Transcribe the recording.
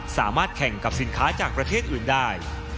สามารถแข่งกับสินค้าจากประเทศอื่นได้